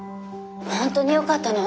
本当によかったの？